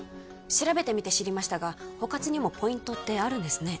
調べてみて知りましたが保活にもポイントってあるんですね